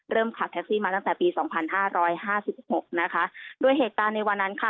ขับแท็กซี่มาตั้งแต่ปีสองพันห้าร้อยห้าสิบหกนะคะโดยเหตุการณ์ในวันนั้นค่ะ